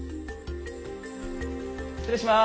失礼します。